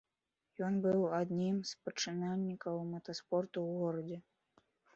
Ён быў адным з пачынальнікаў мотаспорту ў горадзе.